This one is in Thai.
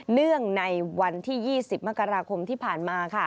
เนื่องในวันที่๒๐มกราคมที่ผ่านมา